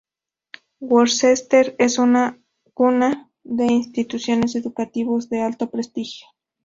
Worcester es cuna de institutos educativos de alto prestigio.